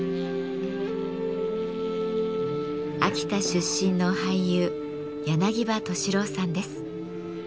秋田出身の俳優柳葉敏郎さんです。